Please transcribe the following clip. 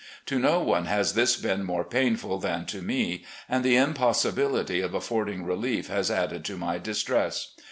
To no one has this been more painful than to me, and the impossibility of affording relief has added to my distress.